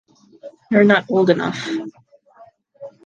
You're not old enough.